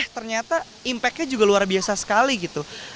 eh ternyata impact nya juga luar biasa sekali gitu